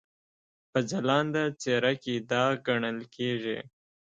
په ځلانده څېره کې داغ ګڼل کېږي.